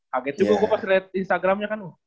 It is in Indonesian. kaget juga gue pas lihat instagramnya kan